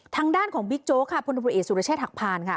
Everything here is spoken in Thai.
ทางด้านของบิ๊กโจ๊กค่ะพุทธบุริเอกสุริเชษฐกภารค่ะ